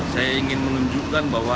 saya ingin menunjukkan bahwa